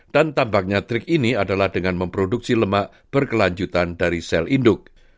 dan tampaknya trik ini adalah dengan memproduksi lemak berkelanjutan dari sel induk